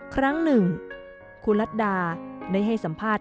ครั้งหนึ่งครูรัฐดาได้ให้สัมภาษณ์